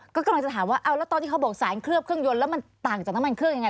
ก็กำลังจะถามว่าเอาแล้วตอนที่เขาบอกสารเคลือบเครื่องยนต์แล้วมันต่างจากน้ำมันเครื่องยังไง